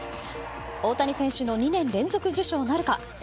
大谷選手の２年連続受賞なるか。